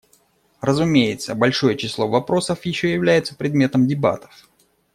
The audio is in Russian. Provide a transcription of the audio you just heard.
Разумеется, большое число вопросов еще являются предметов дебатов.